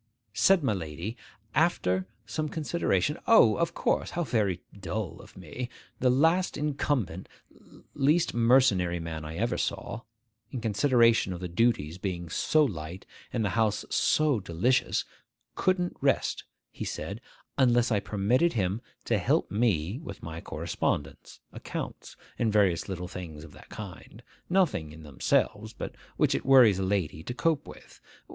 Said my lady, after some consideration, 'O, of course, how very dull of me! The last incumbent,—least mercenary man I ever saw,—in consideration of the duties being so light and the house so delicious, couldn't rest, he said, unless I permitted him to help me with my correspondence, accounts, and various little things of that kind; nothing in themselves, but which it worries a lady to cope with.